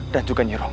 dan juga nyai romo